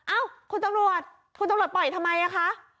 เอ้าคุณตำรวจคุณตำรวจปล่อยทำไมอ่ะคะ